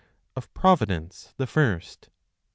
Of Providence, the First, 47.